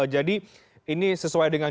jadi ini sesuai dengan